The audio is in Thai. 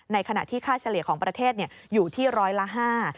ขณะที่ค่าเฉลี่ยของประเทศอยู่ที่ร้อยละห้า